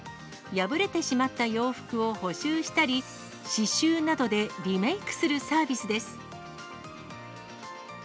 破れてしまった洋服を補修したり、刺しゅうなどでリメークするサービスです。